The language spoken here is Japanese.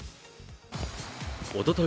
おととい